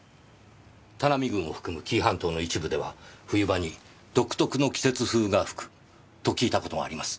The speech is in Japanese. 田波郡を含む紀伊半島の一部では冬場に独特の季節風が吹くと聞いたことがあります。